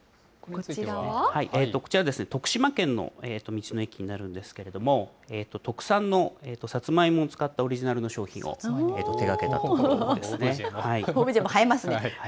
こちらですね、徳島県の道の駅になるんですけれども、特産のさつまいもを使ったオリジナルのオブジェも映えますね。